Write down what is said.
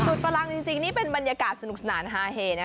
พลังจริงนี่เป็นบรรยากาศสนุกสนานฮาเฮนะ